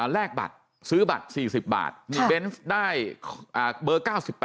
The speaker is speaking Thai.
แลกบัตรซื้อบัตร๔๐บาทนี่เบนส์ได้เบอร์๙๘